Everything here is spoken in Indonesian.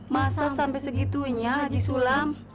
masa sampai segitunya haji sulam